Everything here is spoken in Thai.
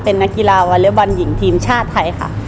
เป็นนักกีฬาวอเล็กบอลหญิงทีมชาติไทยค่ะ